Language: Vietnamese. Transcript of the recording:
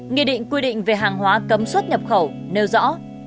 nghị định quy định về hàng hóa cấm xuất nhập khẩu nêu rõ